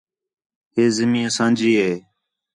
ہے زمین اساں جی ہے